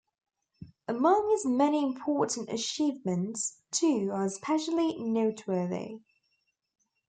Among his many important achievements, two are especially noteworthy.